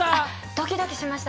ドキドキしました。